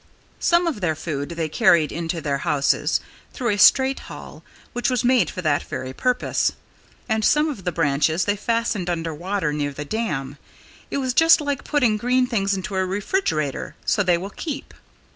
Some of their food they carried into their houses through a straight hall which was made for that very purpose. And some of the branches they fastened under water, near the dam. It was just like putting green things into a refrigerator, so they will keep.